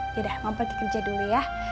yaudah mama pergi kerja dulu ya